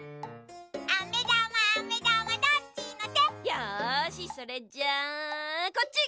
よしそれじゃあこっち！